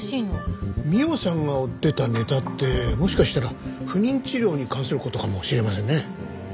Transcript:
美緒さんが追ってたネタってもしかしたら不妊治療に関する事かもしれませんね。